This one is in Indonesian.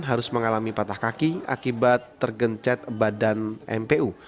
harus mengalami patah kaki akibat tergencet badan mpu